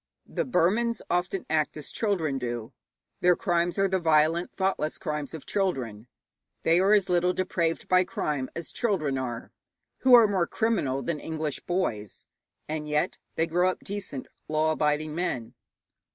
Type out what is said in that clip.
The Burmans often act as children do. Their crimes are the violent, thoughtless crimes of children; they are as little depraved by crime as children are. Who are more criminal than English boys? and yet they grow up decent, law abiding men.